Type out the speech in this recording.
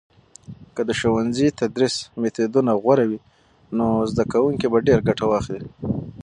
که د ښوونځي تدریس میتودونه غوره وي، نو زده کوونکي به ډیر ګټه واخلي.